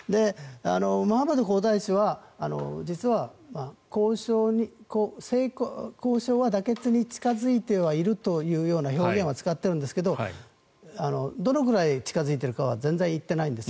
ムハンマド皇太子は実は、交渉は妥結に近付いてはいるというような表現は使っているんですがどのぐらい近付いているかは全然言ってないんです。